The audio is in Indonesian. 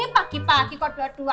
pagi pagi kok dua puluh dua